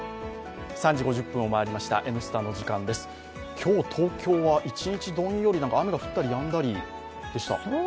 今日、東京は一日どんより、雨が降ったりやんだりでした。